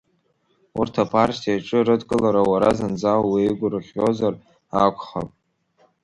Урҭ апартиаҿы рыдкылара уара зынӡа уеигәрӷьозар акәхап!